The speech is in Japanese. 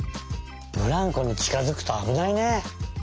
ブランコにちかづくとあぶないね。